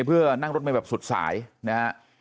เพื่อนั่งรถเมย์แบบสุดสายนะฮะ